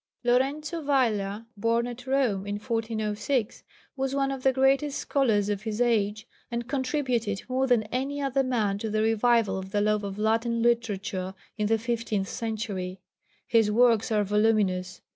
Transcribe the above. Lorenzo Valla, born at Rome in 1406, was one of the greatest scholars of his age, and contributed more than any other man to the revival of the love of Latin literature in the fifteenth century. His works are voluminous.